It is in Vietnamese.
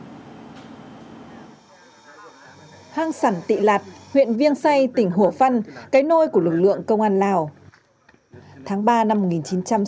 hàng sản tị lạt huyện viêng xay tỉnh hủa phân cái nôi của lực lượng công an lào